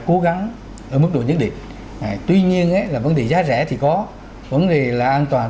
cố gắng ở mức độ nhất định tuy nhiên là vấn đề giá rẻ thì có vấn đề là an toàn